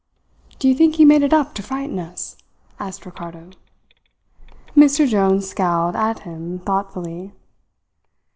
"Do you think he made it up to frighten us?" asked Ricardo. Mr Jones scowled at him thoughtfully.